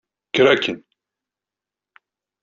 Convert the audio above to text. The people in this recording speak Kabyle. Kker akin!